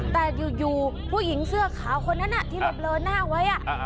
แต่อยู่ผู้หญิงเสื้อขาวคนนั้นที่เราเบลอหน้าไว้